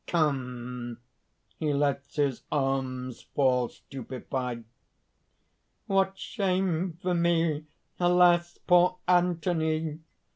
Come! he lets his arms fall, stupefied._) "What shame for me! Alas! poor Anthony."